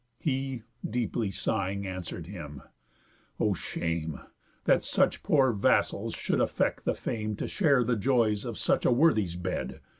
He, deeply sighing, answer'd him: "O shame, That such poor vassals should affect the fame To share the joys of such a worthy's bed!